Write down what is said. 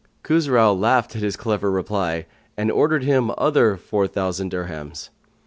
Khusrau laughed at his clever reply and ordered him other four thousand dirhams.